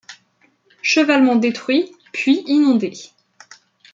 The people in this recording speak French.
Chevalement détruit, puits inondé.